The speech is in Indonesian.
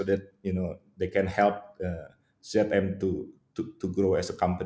agar mereka dapat membantu zm untuk tumbuh sebagai perusahaan